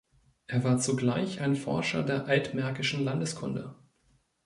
Er war zugleich ein Forscher der altmärkischen Landeskunde.